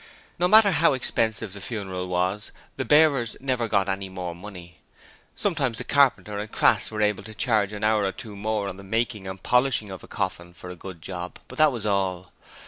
No matter how expensive the funeral was, the bearers never got any more money. Sometimes the carpenter and Crass were able to charge an hour or two more on the making and polishing of a coffin for a good job, but that was all.